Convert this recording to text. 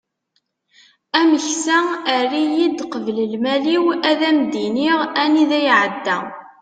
ameksa err-iyi-d qbel lmal-iw ad am-d-inin anida iεedda